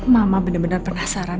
mama bener bener penasaran